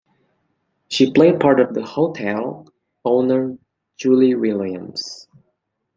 She played the part of hotel owner Julie Williams.